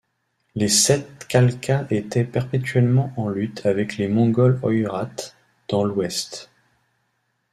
Les Sept Khalkha étaient perpétuellement en lutte avec les Mongols Oïrats, dans l’ouest.